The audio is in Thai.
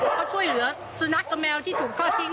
เขาช่วยเหลือสุนัขกับแมวที่ถูกทอดทิ้ง